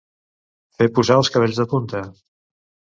Fer posar els cabells de punta.